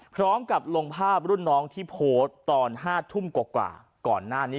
พร้อมกับลงภาพรุ่นน้องที่โพสต์ตอน๕ทุ่มกว่าก่อนหน้านี้